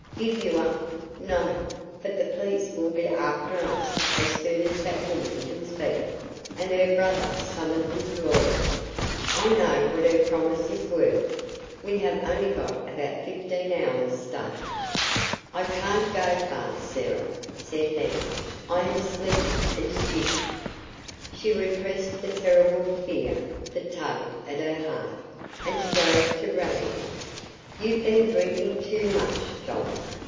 "Give you up? No. But the police will be after us as soon as that woman can speak, and her brother summon his lawyer. I know what her promise is worth. We have only got about fifteen hours start." "I can't go far, Sarah," said he; "I am sleepy and stupid." She repressed the terrible fear that tugged at her heart, and strove to rally him. "You've been drinking too much, John.